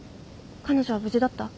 彼女は無事だった？